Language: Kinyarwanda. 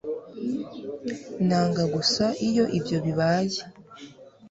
nanga gusa iyo ibyo bibaye